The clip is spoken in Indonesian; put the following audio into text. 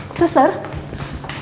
ini suami saya masih lama gak